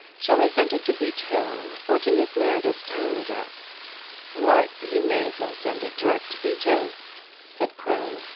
Shall I send it to Beech Hill or to Miss Meredith's town address? "" Why, you may as well send it direct to Beech Hill," said Crow.